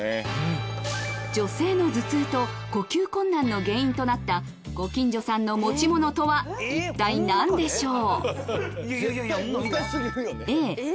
女性の頭痛と呼吸困難の原因となったご近所さんの持ち物とはいったい何でしょう？